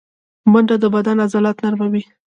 منډه د بدن عضلات نرموي